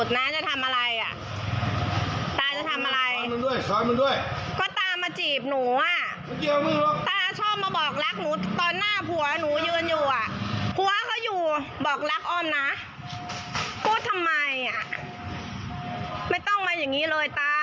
ทำไมไม่ต้องมาอย่างนี้เลยตา